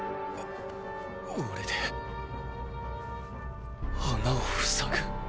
オレで穴を塞ぐ⁉